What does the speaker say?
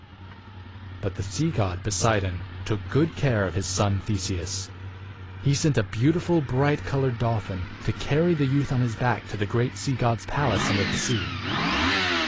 But the sea god, Poseidon, took good care of his son Theseus. He sent a beautiful, bright colored dolphin to carry the youth on his back to the great sea god's palace under the sea.